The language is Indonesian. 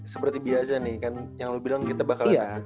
seperti biasa nih kan yang lu bilang kita bakal